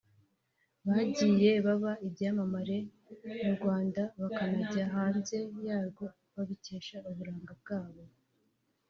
bagiye baba ibyamamare mu Rwanda bakanajya hanze yarwo babikesha uburanga bwabo